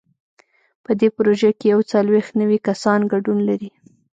په دې پروژه کې یو څلوېښت نوي کسان ګډون لري.